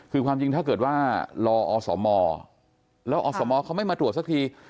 คือความจริงถ้าเกิดว่ารออสมแล้วอสมเขาไม่มาตรวจสักที